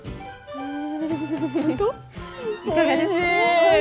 うん。